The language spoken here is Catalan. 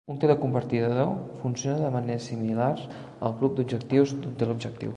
Un teleconvertidor funciona de manera similar al "grup d'objectius" d'un teleobjectiu.